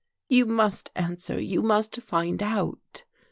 You must answer you must find out."